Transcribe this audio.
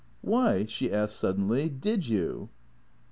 Why," she asked suddenly, " did you